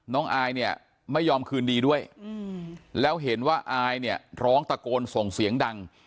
อายเนี่ยไม่ยอมคืนดีด้วยแล้วเห็นว่าอายเนี่ยร้องตะโกนส่งเสียงดัง